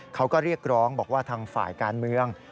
เขาก็เรียกร้องบอกว่าทางฝ่ายการเมือง